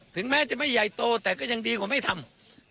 ถึงแม้จะไม่ใหญ่โตแต่ก็ยังดีกว่าไม่ทำ